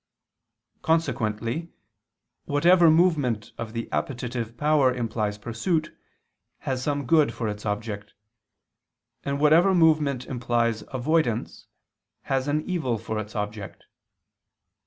Consequently whatever movement of the appetitive power implies pursuit, has some good for its object: and whatever movement implies avoidance, has an evil for its object.